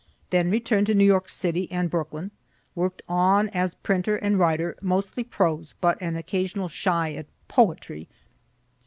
Then returning to New York city and Brooklyn, work'd on as printer and writer, mostly prose, but an occasional shy at "poetry".